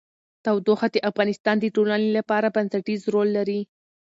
تودوخه د افغانستان د ټولنې لپاره بنسټيز رول لري.